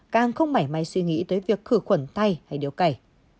càng không mảy may suy nghĩ tới việc khử khuẩn tay hay điếu cày